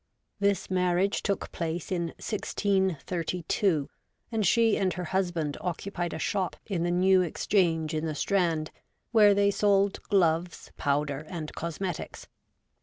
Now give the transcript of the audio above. This marriage took place in 1632, and she and her husband occupied a shop in the New Exchange in the Strand, where they sold gloves, powder, and cosmetics.